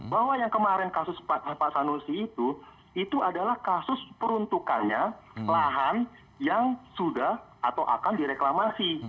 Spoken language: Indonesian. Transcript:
bahwa yang kemarin kasus pak sanusi itu itu adalah kasus peruntukannya lahan yang sudah atau akan direklamasi